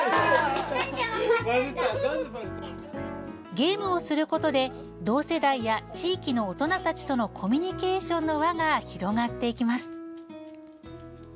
ゲームをすることで同世代や地域の大人たちとのコミュニケーションの輪が広がっていきます。